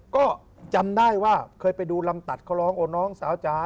ก็จำได้ว่าเคยไปดูลำตัดเขาร้องโอ้น้องสาวจ๋า